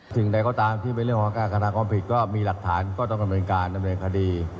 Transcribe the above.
สิ่งใดก็ตามที่เป็นเรื่องของการกระทำความผิดก็มีหลักฐานก็ต้องดำเนินการดำเนินคดี